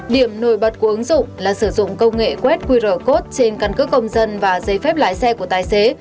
điểm nổi bật của ứng dụng là sử dụng công nghệ quét qr code trên căn cước công dân và giấy phép lái xe của tài xế